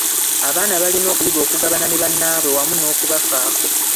Abaana balina okuyiga okugabana ne bannaabwe wamu n’okubafaako.